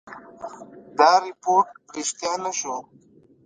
دا رپوټ ریشتیا نه شو.